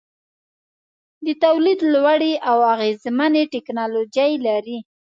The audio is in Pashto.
د تولید لوړې او اغیزمنې ټیکنالوجۍ لري.